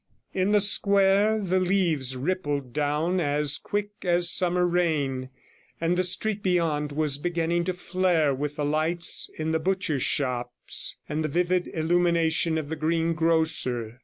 In the square the leaves rippled down as quick as summer rain, and the street beyond was beginning to flare with the lights in the butchers' shops and the vivid illumination of the greengrocer.